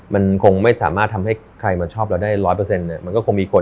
มันคงไม่สามารถทำให้ใครมาชอบเราได้รอด